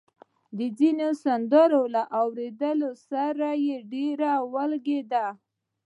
د ځينو سندرو له اورېدو سره يې ډېره ولګېده